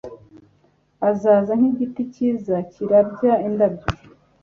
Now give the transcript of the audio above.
Azaza nkigiti cyiza kirabya indabyo